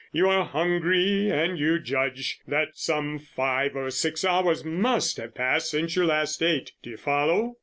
You are hungry and you judge that some five or six hours must have passed since you last ate. Do you follow?"